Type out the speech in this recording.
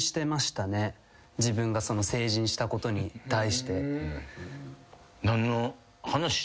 自分が成人したことに対して。